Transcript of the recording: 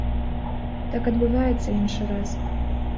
Так адбываецца іншы раз.